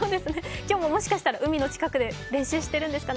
今日ももしかしたら海の近くで練習してるんですかね。